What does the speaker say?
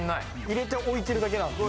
入れて置いてるだけなんで。